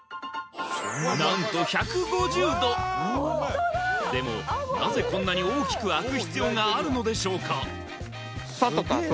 何と１５０度でもなぜこんなに大きく開く必要があるのでしょうか